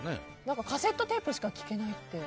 カセットテープしか聴けないって。